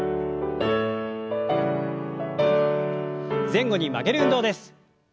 前後に曲げる運動です。